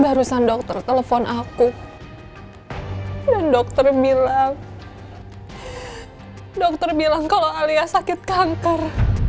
barusan dokter telepon aku dan dokter bilang dokter bilang kalau alias sakit kanker